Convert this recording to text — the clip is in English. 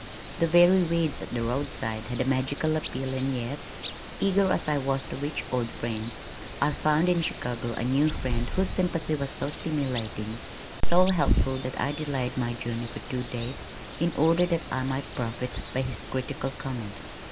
The very weeds at the roadside had a magical appeal and yet, eager as I was to reach old friends, I found in Chicago a new friend whose sympathy was so stimulating, so helpful that I delayed my journey for two days in order that I might profit by his critical comment.